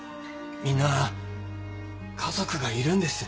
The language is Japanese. みんな家族がいるんです